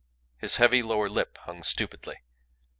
His heavy lower lip hung stupidly.